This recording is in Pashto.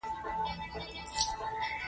ولي، د ویالې د غاړې ونې ولې ولي؟